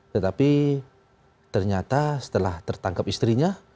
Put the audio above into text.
tetapi ternyata setelah tertangkap istrinya